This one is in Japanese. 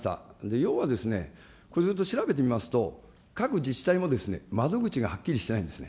要はですね、ちょっと調べてみますと、各自治体も窓口がはっきりしてないんですね。